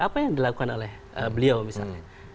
apa yang dilakukan oleh beliau misalnya